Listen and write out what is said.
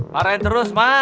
parahin terus ma